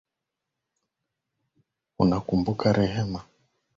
Unakumbuka rehema